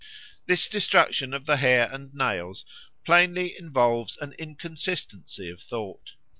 This destruction of the hair and nails plainly involves an inconsistency of thought.